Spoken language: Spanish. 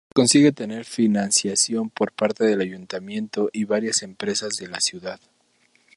Se consigue tener financiación por parte del ayuntamiento y varias empresas de la ciudad.